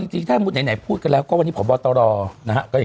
จริงถ้าไหนพูดกันแล้วก็วันนี้พบตรนะฮะ